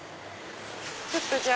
ちょっとじゃあ。